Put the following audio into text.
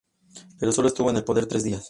Pero solo estuvo en el poder tres días.